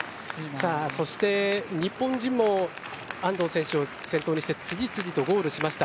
そして、日本人も安藤選手を先頭にして次々とゴールしました。